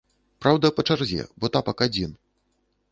Праўда, па чарзе, бо тапак адзін.